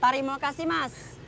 terima kasih mas